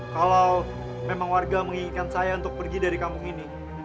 kalau memang warga menginginkan saya untuk pergi dari kampung ini